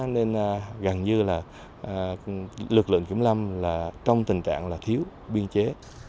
nên gần như là lực lượng kiểm lâm là trong tình trạng là thiếu biên chế